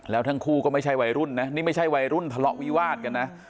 แล้วทั้งคู่ก็ไม่ใช่วัยรุ่นนะนี่ไม่ใช่วัยรุ่นทะเลาะวิวาดกันนะ